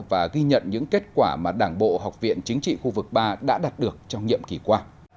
và ghi nhận những kết quả mà đảng bộ học viện chính trị khu vực ba đã đạt được trong nhiệm kỳ qua